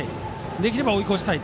できれば追い越したい。